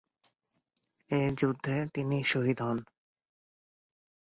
এ যুদ্ধে তিনি শহীদ হন।